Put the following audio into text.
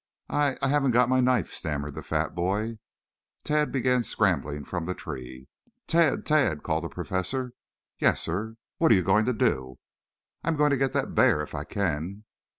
"I I haven't got my knife," stammered the fat boy. Tad began scrambling from the tree. "Tad, Tad!" called the Professor. "Yes, sir?" "What are you going to do?" "I'm going to get that bear if I can."